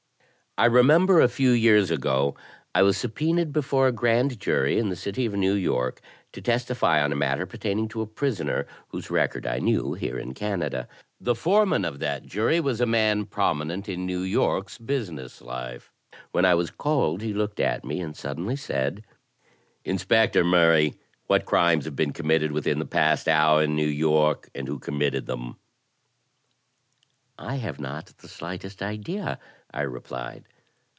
I remember a few years ago I was subpoenaed before a grand jury in the City of New York to testify on a matter pertaining to a prisoner, whose record I knew here in Canada. The foreman of that jury was a man prominent in New York's business life. When I was called he looked at me and suddenly said: " 'Inspector Murray, what crimes have been conmiitted within the past hour in New York, and who committed them?' THE DETECTIVE 7 1 I have not the slightest idea/ I replied.